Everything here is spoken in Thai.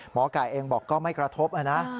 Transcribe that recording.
หมอไก่เองบอกก็ไม่กระทบนะนะ